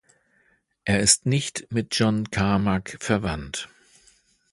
Er ist nicht mit John Carmack verwandt.